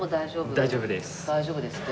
大丈夫ですって。